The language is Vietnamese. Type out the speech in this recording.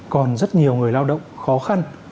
còn rất nhiều người lao động khó khăn